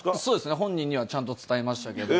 本人にはちゃんと伝えましたけれども。